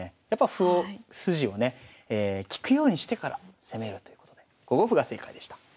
やっぱ歩を筋をね利くようにしてから攻めるということで５五歩が正解でした。